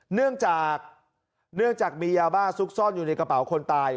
เนื่องจากเนื่องจากมียาบ้าซุกซ่อนอยู่ในกระเป๋าคนตาย